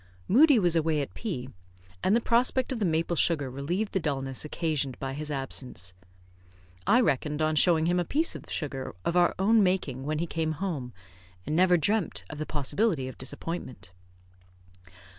Moodie was away at P , and the prospect of the maple sugar relieved the dulness occasioned by his absence. I reckoned on showing him a piece of sugar of our own making when he came home, and never dreamt of the possibility of disappointment.